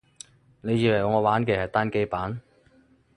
你以為我玩嘅係單機版